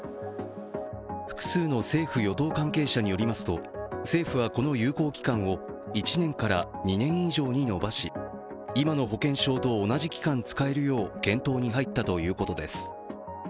複数の政府・与党関係者によりますと、政府はこの有効期間を１年から２年以上に延ばし今の保険証と同じ期間使えるよう検討に入ったということです。